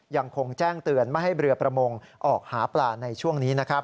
ยังคงแจ้งเตือนไม่ให้เรือประมงออกหาปลาในช่วงนี้นะครับ